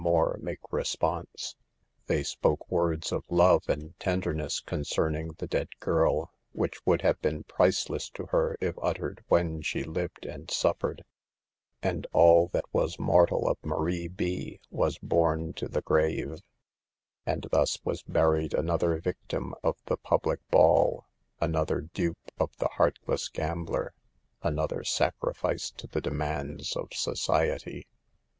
more make response ; they spoke words of love and tenderness concerning the dead girl, which would have been priceless to her if uttered when she lived and suffered. And all that was mortal of Marie B —— was borne to the grave. And thus was buried another victim of the public ball, another dupe of the heartless gambler, another sacrifice to the demands of society.